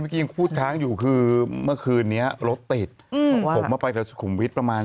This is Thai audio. เมื่อกี้ยังพูดค้างอยู่คือเมื่อคืนนี้รถติดอืมผมมาไปกับสุขุมวิทประมาณ